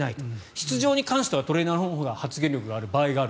出場に関してはトレーナーのほうが発言力があると。